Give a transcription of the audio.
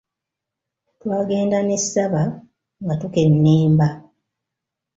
Twagenda ne Ssaba nga tukennemba!